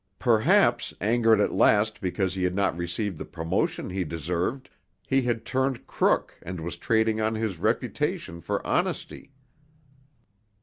Perhaps, angered at last because he had not received the promotion he deserved, he had turned crook and was trading on his reputation for honesty.